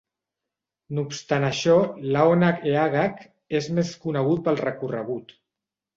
No obstant això, l'Aonach Eagach és més conegut pel recorregut.